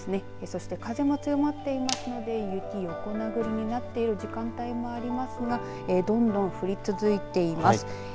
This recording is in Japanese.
そして風も強まっていますので雪、横殴りになっている時間帯もありますがどんどん降り続いています。